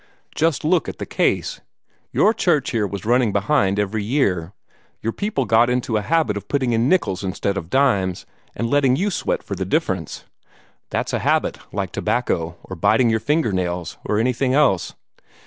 Just look at the case. Your church here was running behind every year. Your people had got into a habit of putting in nickels instead of dimes, and letting you sweat for the difference. That's a habit, like tobacco, or biting your fingernails, or anything else.